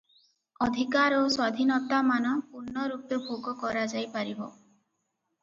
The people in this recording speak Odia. ଅଧିକାର ଓ ସ୍ୱାଧୀନତାମାନ ପୂର୍ଣ୍ଣରୂପେ ଭୋଗ କରାଯାଇ ପାରିବ ।